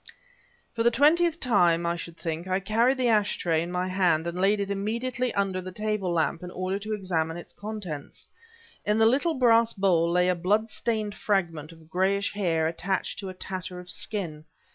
For the twentieth time, I should think, I carried the ash tray in my hand and laid it immediately under the table lamp in order to examine its contents. In the little brass bowl lay a blood stained fragment of grayish hair attached to a tatter of skin.